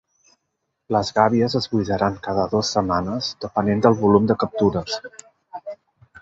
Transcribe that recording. Les gàbies es buidaran cada dos setmanes depenent del volum de captures.